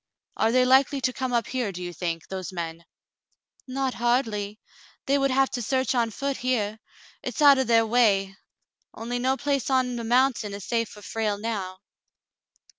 "Are they likely to come up here, do you think, those men P" Not hardly. They would have to search on foot here. It's out of their way; only no place on the mountain is safe for Frale now."